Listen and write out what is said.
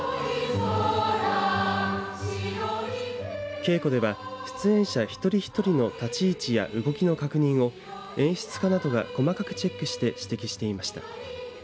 稽古では出演者一人一人の立ち位置や動きの確認を演出家などが細かくチェックして指摘していました。